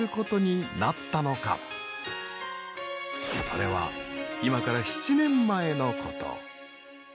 それは今から７年前の事。